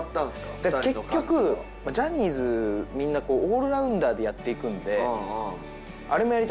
結局ジャニーズみんなオールラウンダーでやっていくんであれもやりたい